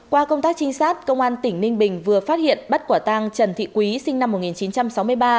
qua công tác trinh sát công an tỉnh ninh bình vừa phát hiện bắt quả tang trần thị quý sinh năm một nghìn chín trăm sáu mươi ba